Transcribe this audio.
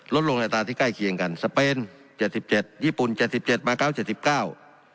ลดลงระดาษที่ใกล้เคียงกันสเปน๗๗ญี่ปุ่น๗๗มาก้าว๗๙